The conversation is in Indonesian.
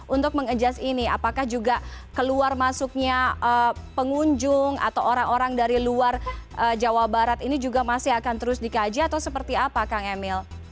untuk mengadjust ini apakah juga keluar masuknya pengunjung atau orang orang dari luar jawa barat ini juga masih akan terus dikaji atau seperti apa kang emil